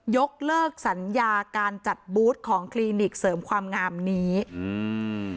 ยกเลิกสัญญาการจัดบูธของคลินิกเสริมความงามนี้อืม